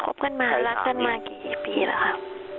กันมารักกันมากี่ปีแล้วครับ